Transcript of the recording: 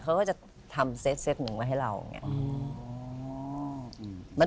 เขาก็จะทำเซตหนึ่งไว้ให้เราอย่างนี้